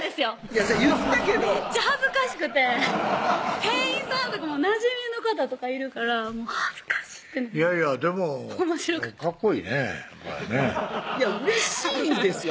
言ったけどめっちゃ恥ずかしくて店員さんとかなじみの方とかいるから恥ずかしいってでもかっこいいねやっぱりねうれしいんですよ